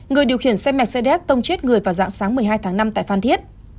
người điều khiển xe mercedes tông chết người vào dạng sáng một mươi hai tháng năm tại phan thiết